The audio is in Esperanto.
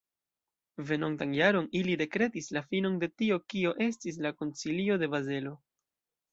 Venontan jaron, ili dekretis la finon de tio kio estis la Koncilio de Bazelo.